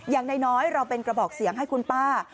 อย่างน้อยเราเป็นกระบอกเสียงให้คุณป้า